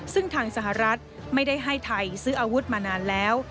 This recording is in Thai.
ซึ่งทางสหรัฐไม่ได้ให้ไทยซื้ออาวุธมานานแล้ว